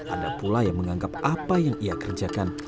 ada pula yang menganggap apa yang ia kerjakan